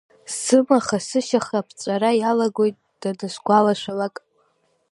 Сымаха-сышьаха аԥыҵәҵәара иалагоит данысгәалашәалак.